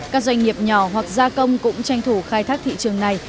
các doanh nghiệp nhỏ hoặc gia công cũng tranh thủ khai thác thị trường này